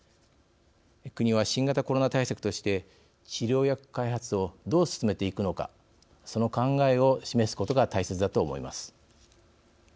国は、新型コロナ対策として治療薬開発をどう進めていくのかその考えを示すことが大切だと思います。